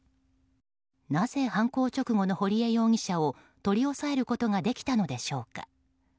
なぜ犯行直後の堀江容疑者を取り押さえることができたのでしょうか。